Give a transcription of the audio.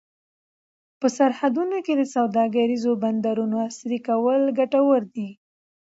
په سرحدونو کې د سوداګریزو بندرونو عصري کول ګټور دي.